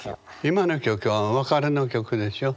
今の曲は「別れの曲」でしょ？